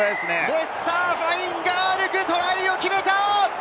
レスター・ファインガアヌク、トライを決めた！